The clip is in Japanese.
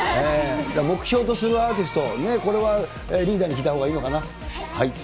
目標とするアーティスト、これはリーダーに聞いたほうがいいのかな？